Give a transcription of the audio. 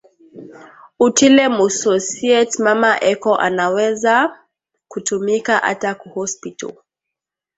utile mu societe mama eko anaweza kutumika ata ku hospital